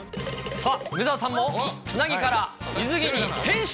さあ、梅澤さんも、つなぎから水着に変身。